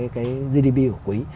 cái gdp của quý